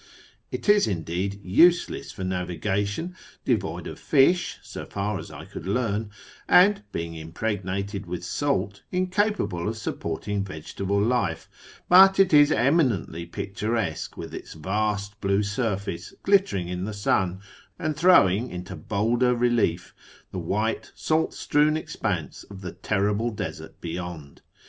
It is, indeed, useless for navigation, devoid of fish (so far as I could learn), and (being impregnated with salt) incapable of supporting vegetable life; but it is eminently picturesque, with its vast blue surface glittering in the sun, and throwing into bolder relief the white salt strewn expanse of the terrible desert beyond.